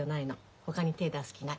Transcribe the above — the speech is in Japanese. ほかに手ぇ出す気ない。